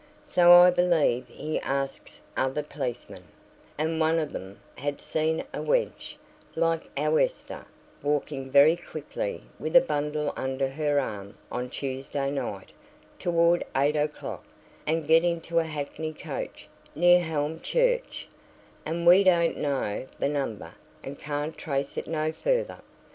So I believe he asks other policemen; and one on 'em had seen a wench, like our Esther, walking very quickly, with a bundle under her arm, on Tuesday night, toward eight o'clock, and get into a hackney coach, near Hulme Church, and we don't know th' number, and can't trace it no further.